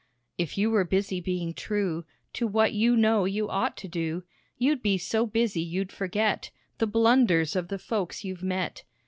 "If you were busy being true To what you know you ought to do, You'd be so busy you'd forget The blunders of the folks you've met.